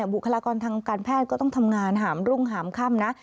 บุคลากรทางการแพทย์ก็ต้องทำงานหามรุ่งหามค่ำนะ